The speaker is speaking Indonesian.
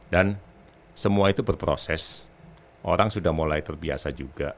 dan semua itu berproses orang sudah mulai terbiasa juga